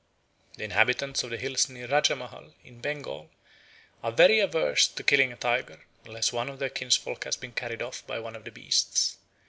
The inhabitants of the hills near Rajamahall, in Bengal, are very averse to killing a tiger, unless one of their kinsfolk has been carried off by one of the beasts.